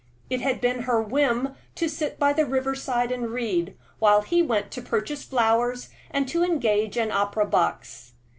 It had been her whim to sit by the river side and read, while he went to purchase flowers and to engage an opera box.